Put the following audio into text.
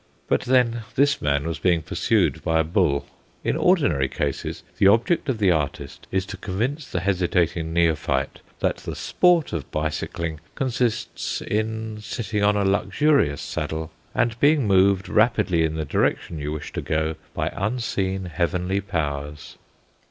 But then this man was being pursued by a bull. In ordinary cases the object of the artist is to convince the hesitating neophyte that the sport of bicycling consists in sitting on a luxurious saddle, and being moved rapidly in the direction you wish to go by unseen heavenly powers.